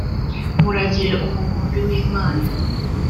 muragire umukumbi w imana